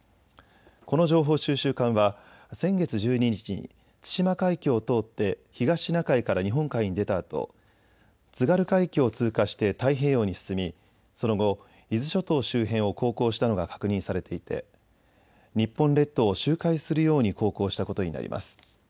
この情報収集艦は先月１２日に対馬海峡を通って東シナ海から日本海に出たあと、津軽海峡を通過して太平洋に進みその後、伊豆諸島周辺を航行したのが確認されていて日本列島を周回するように航行したことになります。